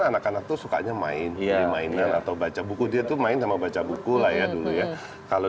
anak anak tuh sukanya main di mainan atau baca buku dia tuh main sama baca buku lah ya dulu ya kalau